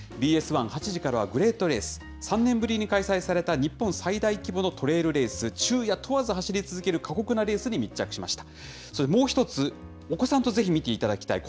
ＢＳ１、８時からはグレートレース、３年ぶりに開催された日本最大規模のトレールレース、昼夜問わず走り続ける過酷なレースに密着しました。